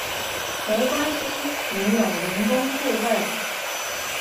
沒關係你有人工智慧